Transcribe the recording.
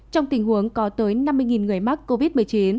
trong tình huống có tới năm mươi người mắc covid một mươi chín